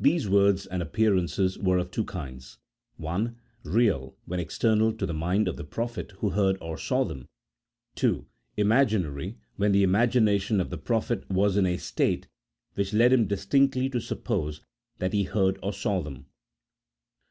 These words and appearances were of two kinds ; (1) real when external to the mind of the prophet who heard or saw them, (2) imaginary when the imagination of the prophet was in a state which led him distinctly to suppose that he heard or saw them.